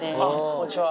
こんにちは。